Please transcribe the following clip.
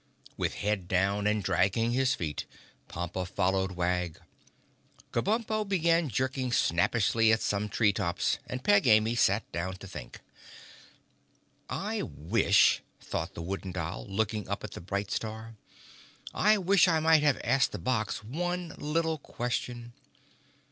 With head down and dragging his feet, Pompa followed Wag. Kabumpo began jerking snappishly at some tree tops and Peg Amy sat down to think. "I wish," thought the Wooden Doll, looking up at the bright star, "I wish I might have asked the box one little question."